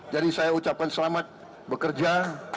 jadi saya ucapkan selamat bekerja